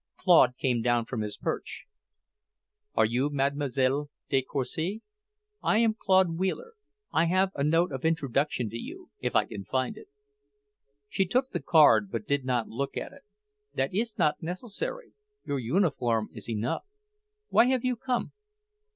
Claude came down from his perch. "Are you Mlle. de Courcy? I am Claude Wheeler. I have a note of introduction to you, if I can find it." She took the card, but did not look at it. "That is not necessary. Your uniform is enough. Why have you come?"